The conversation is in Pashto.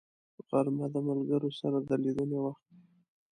غرمه د ملګرو سره د لیدنې وخت دی